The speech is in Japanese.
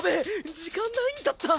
時間ないんだった！